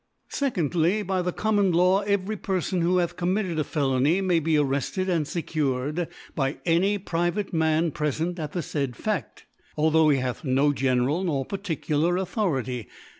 * Secondly^ By the Common Law every Perfon who Imh committed a Felony, may be arretted and fccured by any private Man prefent at the faid Fa£t, though he hath no general nor particular Authority